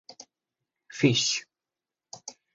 fish